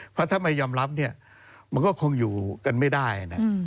เพราะถ้าไม่ยอมรับเนี่ยมันก็คงอยู่กันไม่ได้นะ